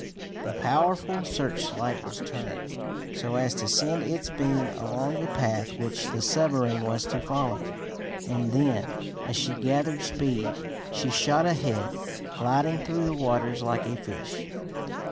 The powerful searchlight was turned, so as to send its beams along the path which the submarine was to follow, and then, as she gathered speed, she shot ahead, gliding through the waters like a fish.